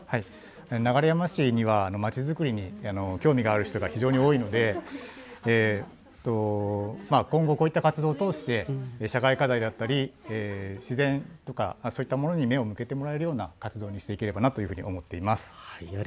流山市にはまちづくりに興味がある方が非常に多いので、今後こういった活動を通して社会課題だったり自然とかそういったものに目を向けてもらえるような活動にしていければなと思っています。